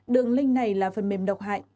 đường link này là phần mềm độc hại